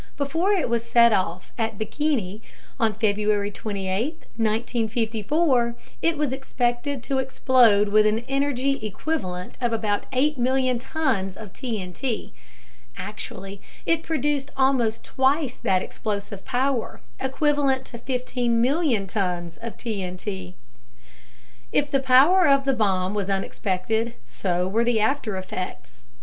Before it was set off at Bikini on February 28, 1954, it was expected to explode with an energy equivalent of about 8 million tons of TNT. Actually, it produced almost twice that explosive power equivalent to 15 million tons of TNT. If the power of the bomb was unexpected, so were the after effects.